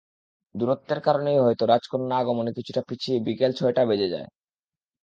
দূরত্বের কারণেই হয়তো রাজকন্যা আগমন কিছুটা পিছিয়ে বিকেল ছয়টা বেজে যায়।